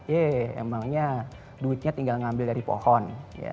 eh emangnya duitnya tinggal ngambil dari pohon